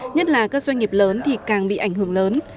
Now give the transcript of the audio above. nhất là các doanh nghiệp lớn thì càng bị ảnh hưởng lớn